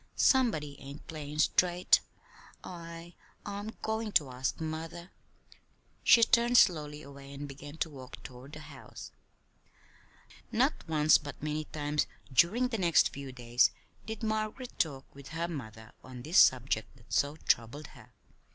Somebody ain't playin' straight. I I'm goin' to ask mother." And she turned slowly away and began to walk toward the house. Not once, but many times during the next few days, did Margaret talk with her mother on this subject that so troubled her.